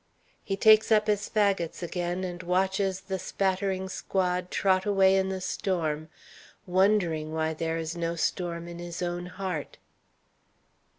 He takes up his fagots again, and watches the spattering squad trot away in the storm, wondering why there is no storm in his own heart.